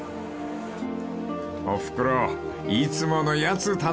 ［おふくろいつものやつ頼むよ］